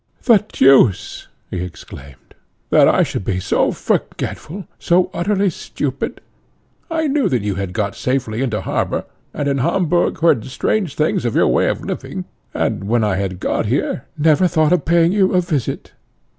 "The deuce!" he exclaimed, "that I should be so forgetful, so utterly stupid! I knew that you had got safely into harbour, and in Hamburg heard strange things of your way of living, and, when I had got here, never thought of paying you a visit.